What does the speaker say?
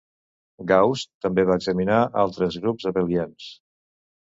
Gauss també va examinar altres grups abelians.